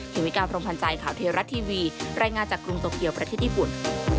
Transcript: เมกาพรมพันธ์ใจข่าวเทราะทีวีรายงานจากกรุงโตเกียวประเทศญี่ปุ่น